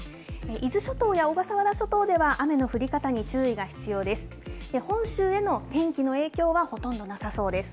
伊豆諸島や小笠原諸島では雨の降り方に注意が必要です。